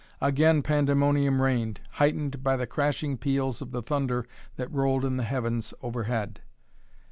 Again pandemonium reigned, heightened by the crashing peals of the thunder that rolled in the heavens overhead.